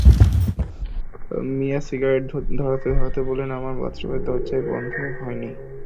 মিয়া cigarette ধরাতে-ধরাতে বললেন, আমার বাথরুমের দরজাও বন্ধ হয়নি।